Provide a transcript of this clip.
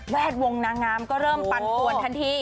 ดวงนางงามก็เริ่มปันปวนทันที